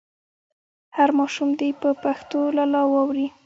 هر ماشوم دې په پښتو لالا واوري.